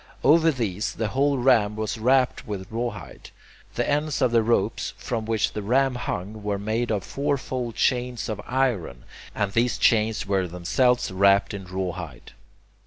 Over these the whole ram was wrapped with rawhide. The ends of the ropes from which the ram hung were made of fourfold chains of iron, and these chains were themselves wrapped in rawhide.